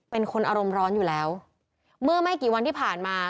เป็นคนอารมณ์ร้อนอยู่แล้วเมื่อไม่กี่วันที่ผ่านมา